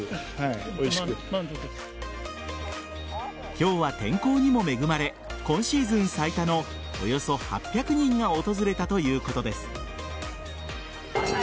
今日は天候にも恵まれ今シーズン最多のおよそ８００人が訪れたということです。